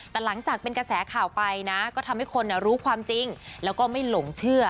แต่หลังจากเป็นกระแสข่าวไปนะก็ทำให้คนรู้ความจริงแล้วก็ไม่หลงเชื่อ